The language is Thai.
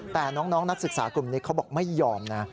แต่น้องนักศึกษากลุ่มนี้เขาบอกไม่ยอมนะ